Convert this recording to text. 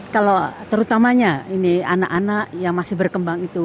kalau terutamanya ini anak anak yang masih berkembang itu